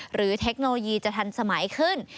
เทคโนโลยีจะทันสมัยขึ้น